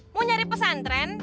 mau nyari pesantren